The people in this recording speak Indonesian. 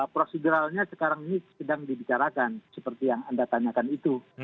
proseduralnya sekarang ini sedang dibicarakan seperti yang anda tanyakan itu